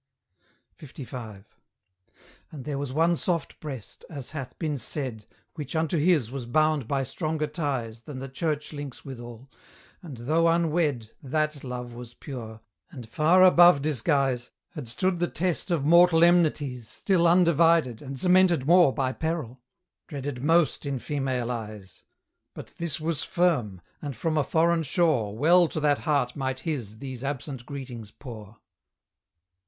LV. And there was one soft breast, as hath been said, Which unto his was bound by stronger ties Than the church links withal; and, though unwed, THAT love was pure, and, far above disguise, Had stood the test of mortal enmities Still undivided, and cemented more By peril, dreaded most in female eyes; But this was firm, and from a foreign shore Well to that heart might his these absent greetings pour!